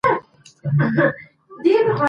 کوربه هیواد ترانزیتي لاره نه تړي.